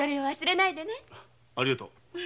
ありがとう。